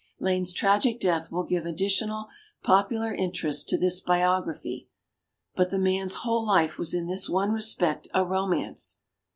Lane's tragic death will give addi tional popular interest to this biog raphy, but the man's whole life was in this one respect a romance.